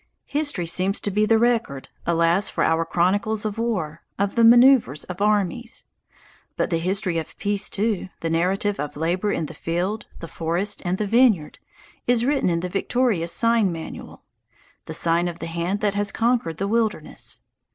History seems to be the record alas for our chronicles of war! of the _man_oeuvres of armies. But the history of peace, too, the narrative of labour in the field, the forest, and the vineyard, is written in the victorious sign manual the sign of the hand that has conquered the wilderness.